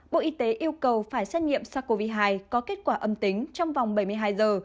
bộ y tế yêu cầu phải xét nghiệm sars cov hai có kết quả âm tính trong vòng bảy mươi hai giờ